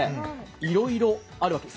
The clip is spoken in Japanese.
いろいろあるわけです。